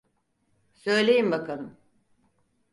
Söyleyin bakalım.